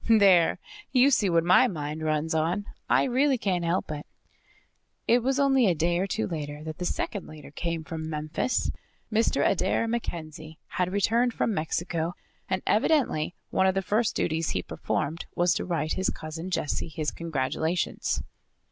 "There! You see what my mind runs on. I really can't help it." It was only a day or two later that the second letter came from Memphis. Mr. Adair MacKenzie had returned from Mexico and evidently one of the first duties he performed was to write his Cousin Jessie his congratulations.